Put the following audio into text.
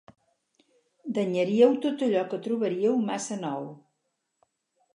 Danyaríeu tot allò que trobaríeu massa nou.